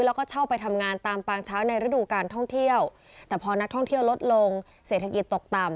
แล้วก็เช่าไปทำงานตามปางเช้าในฤดูการท่องเที่ยวแต่พอนักท่องเที่ยวลดลงเศรษฐกิจตกต่ำ